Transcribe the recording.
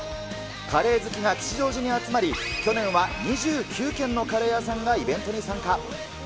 カレー好きが吉祥寺に集まり、去年は２９軒のカレー屋さんがイベントに参加。